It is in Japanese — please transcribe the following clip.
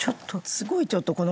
すごいちょっとこの。